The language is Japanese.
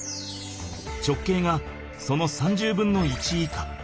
直径がその３０分の１以下。